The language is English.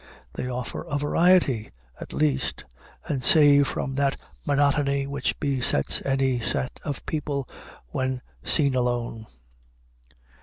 They offer a variety, at least, and save from that monotony which besets any set of people when seen alone.